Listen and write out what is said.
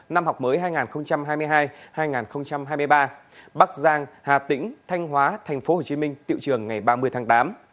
năm học mới hai nghìn hai mươi hai hai nghìn hai mươi ba bắc giang hà tĩnh thanh hóa tp hcm tiệu trường ngày ba mươi tháng tám